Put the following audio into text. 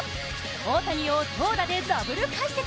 大谷を投打でダブル解説。